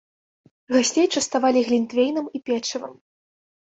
Гасцей частавалі глінтвейнам і печывам.